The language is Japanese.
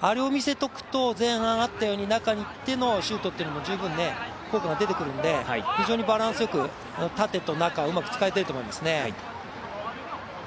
あれを見せておくと、前半あったように中に行ってのシュートっていうのも十分効果が出てくるので、非常にバランスよく、縦と中をうまく使えていると思いますね。